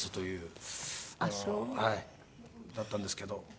だったんですけど。